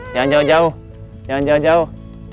jangan jauh jauh jangan jauh jauh